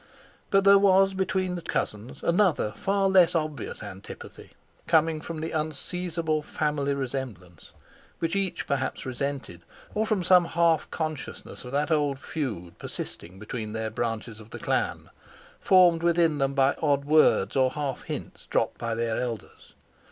But there was between the cousins another far less obvious antipathy—coming from the unseizable family resemblance, which each perhaps resented; or from some half consciousness of that old feud persisting still between their branches of the clan, formed within them by odd words or half hints dropped by their elders.